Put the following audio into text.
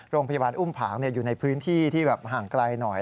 โรงพยาบาลอุ้มผางอยู่ในพื้นที่ที่แบบห่างไกลหน่อย